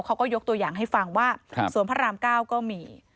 เขาก็ยกตัวอย่างให้ฟังว่าสวนพระราม๙ก็มี